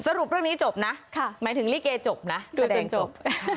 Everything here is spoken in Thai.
สรุปเรื่องนี้จบนะหมายถึงลิเกจบนะแสดงจบ